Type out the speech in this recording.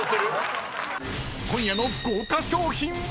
［今夜の豪華賞品は⁉］